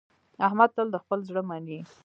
احمد تل د خپل زړه مني.